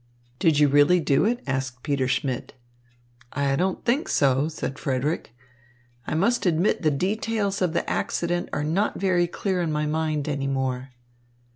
"Did you really do it?" asked Peter Schmidt. "I don't think so," said Frederick. "I must admit the details of the accident are not very clear in my mind any more."